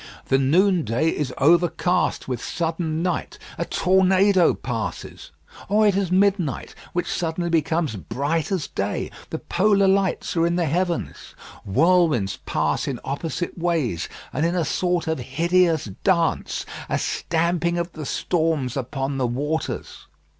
The noonday is overcast with sudden night; a tornado passes. Or it is midnight, which suddenly becomes bright as day; the polar lights are in the heavens. Whirlwinds pass in opposite ways, and in a sort of hideous dance, a stamping of the storms upon the waters.